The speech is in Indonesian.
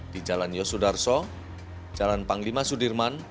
di jalan yosudarso jalan panglima sudirman